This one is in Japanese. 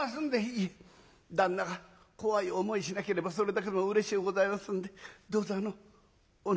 「いえ旦那が怖い思いしなければそれだけでもうれしゅうございますんでどうぞお飲み下さいまして」。